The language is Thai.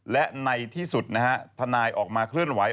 และในที่สุดนะฮะทนายออกมาเคลื่อนไหว